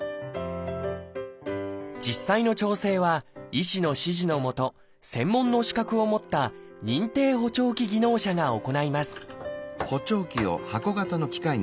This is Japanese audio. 実際の調整は医師の指示のもと専門の資格を持った「認定補聴器技能者」が行います